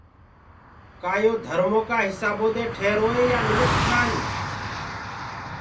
ڪآ يو ڌرمو ڪآ هِسآبو دي ٺيروئي يآن منک ٺآنيٚ